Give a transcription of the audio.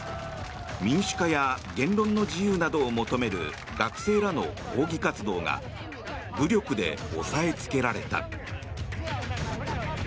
民主化や言論の自由などを求める学生らの抗議活動が武力で押さえつけられた。